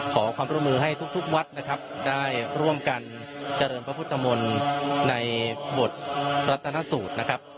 ขอความร่วมมือให้ทุกวัดนะครับได้ร่วมกันเจริญพระพุทธมนต์ในบทรัฐนสูตรนะครับ